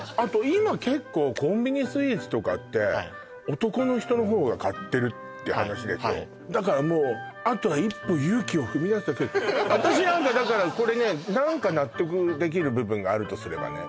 今結構コンビニスイーツとかって男の人の方が買ってるって話ですよだからもうあとは一歩勇気を私なんかだからこれね何か納得できる部分があるとすればね